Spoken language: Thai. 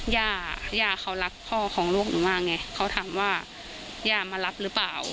ย่าย่าเขารักพ่อของลูกหนูมากไงเขาถามว่าย่ามารับหรือเปล่า